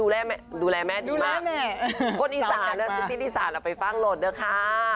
เขาดูแลแม่ดีมากคนอีสานนะที่นี่อีสานเอาไปฟังโหลดนะค่ะ